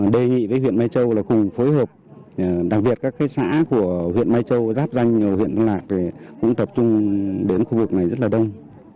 đề nghị với huyện mai châu là cùng phối hợp đặc biệt các xã của huyện mai châu giáp danh huyện liên lạc cũng tập trung đến khu vực này rất là đông